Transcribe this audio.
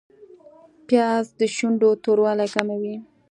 پیاز د شونډو توروالی کموي